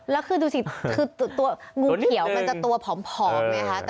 แล้วคือดูสิคือตัวงูเขียวมันจะตัวผอมไงคะ